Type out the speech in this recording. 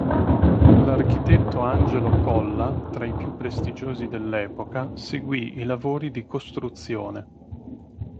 L'architetto Angelo Colla, tra i più prestigiosi dell'epoca, seguì i lavori di costruzione.